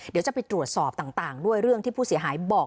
เดี๋ยวจะไปตรวจสอบต่างด้วยเรื่องที่ผู้เสียหายบอก